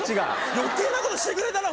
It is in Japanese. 余計なことしてくれたな